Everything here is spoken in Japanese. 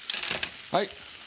はい。